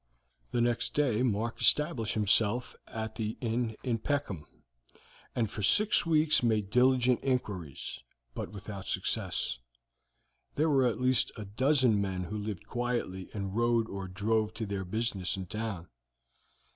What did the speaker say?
The next day Mark established himself at an inn in Peckham, and for six weeks made diligent inquiries, but without success. There were at least a dozen men who lived quietly and rode or drove to their business in town.